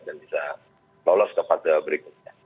dan bisa lolos ke part berikutnya